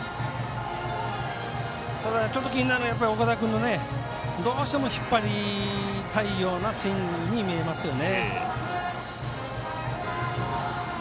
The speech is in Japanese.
ただ、気になるのは岡田君のどうしても引っ張りたいようなスイングに見えますよね。